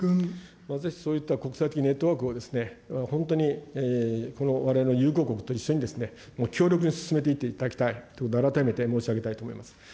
ぜひ、そういった国際的ネットワークは本当にわれわれの友好国と一緒に強力に進めていっていただきたいということを改めて申し上げたいと思います。